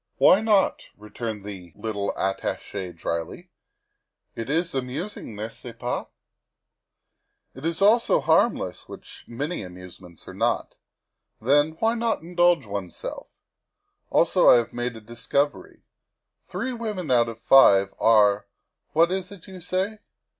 " Why not?" returned the little Attache dryly, " it is amusing, n'est ce pas? It is also harmless, which many amusements are not. Then, why not indulge oneself? Also, I have made a discovery ; three women out of five are what is it you say?